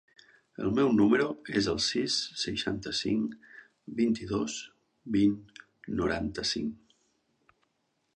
El meu número es el sis, seixanta-cinc, vint-i-dos, vint, noranta-cinc.